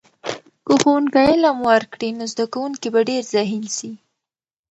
که ښوونکی علم ورکړي، نو زده کونکي به ډېر ذهین سي.